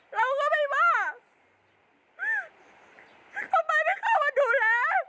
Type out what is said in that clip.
เราก็ไม่ว่าทำไมไม่เข้ามาดูแล